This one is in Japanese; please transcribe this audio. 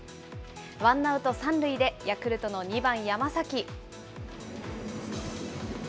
ワンアウト３塁で、ヤクルトの２番山崎。